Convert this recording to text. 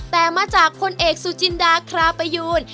แต่มาจากพลเอกสุจินดาคราปยูน